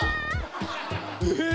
え⁉